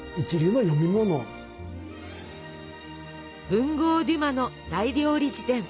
文豪デュマの「大料理事典」。